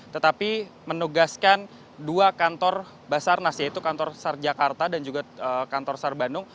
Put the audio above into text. tetapi menugaskan dua kantor basarnas yaitu kantor sar jakarta dan juga kantor sar bandung